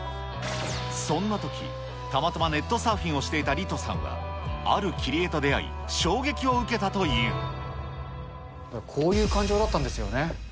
そんなとき、たまたまネットサーフィンをしていたリトさんは、ある切り絵と出こういう感情だったんですよね。